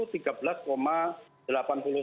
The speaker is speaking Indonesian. artinya ini sudah harus warning gitu ya